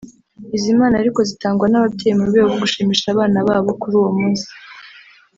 izi mpano ariko zitangwa n’ababyeyi mu rwego rwo gushimisha abana babo kuri uwo munsi